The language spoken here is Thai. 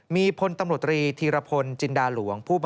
มีพลตำลูกตีฐีรผลจินดาหลวง